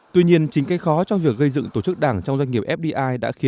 tuy nhiên chính cái khó trong việc gây dựng tổ chức đảng trong doanh nghiệp fdi